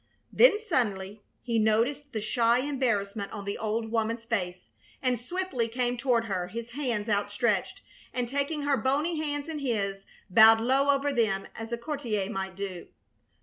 Then suddenly he noticed the shy embarrassment on the old woman's face, and swiftly came toward her, his hands outstretched, and, taking her bony hands in his, bowed low over them as a courtier might do.